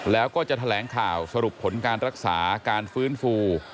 แล้วก็จะแถลงข่าวสรุปผลการรักษาการฟื้นฟู